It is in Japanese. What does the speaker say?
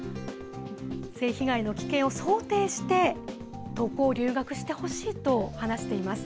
性被害の危険を想定して、渡航・留学してほしいと話しています。